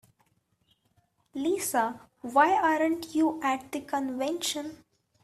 Lisa, why aren't you at the convention?